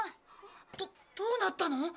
どどうなったの？